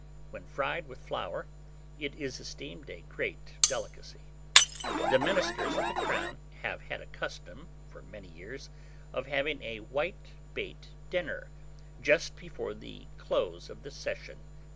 When fried with flour, it is esteemed a great delicacy. The ministers of the Crown have had a custom, for many years, of having a "whitebait dinner" just before the close of the session.